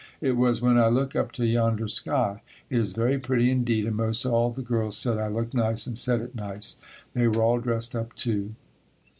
It was, 'When I look up to yonder sky.' It is very pretty indeed and most all the girls said I looked nice and said it nice. They were all dressed up, too."